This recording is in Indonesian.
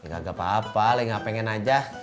gak apa apa leh gak pengen aja